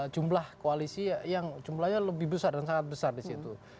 jumlah koalisi yang jumlahnya lebih besar dan sangat besar di situ